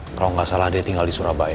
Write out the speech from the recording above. kalau nggak salah dia tinggal di surabaya